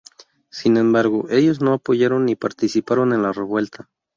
Sin embargo, ellos no apoyaron ni participaron en la revuelta.